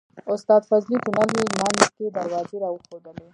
استاد فضلي تونل منځ کې دروازې راوښودلې.